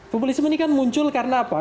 populisme ini kan muncul karena apa